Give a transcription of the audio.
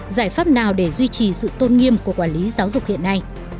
giải pháp nào để duy trì sự tôn nghiêm của quản lý giáo dục hiện nay